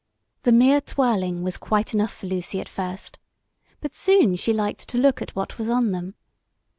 The mere twirling was quite enough for Lucy at first, but soon she liked to look at what was on them.